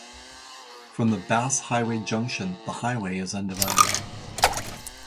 From the Bass Highway junction, the highway is undivided.